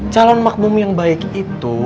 calon makmum yang baik itu